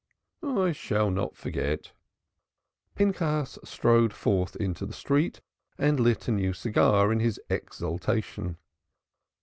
"I shall not forget." Pinchas strode forth into the street and lit a new cigar in his exultation.